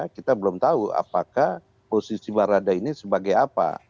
kita belum tahu apakah posisi barada ini sebagai apa